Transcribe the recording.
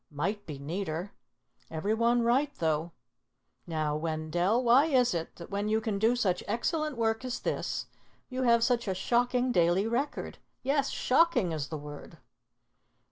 Might be neater. Every one right, though. Now, Wendell, why is it that when you can do such excellent work as this, you have such a shocking daily record? Yes, shocking is the word."